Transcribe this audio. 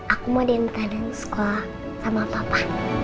aku mau diantarin sekolah sama papa